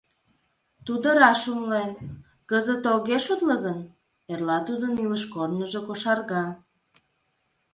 Тудо раш умылен: кызыт огеш утло гын, эрла тудын илыш корныжо кошарга.